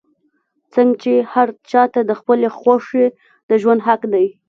څنګ چې هر چا ته د خپلې خوښې د ژوند حق دے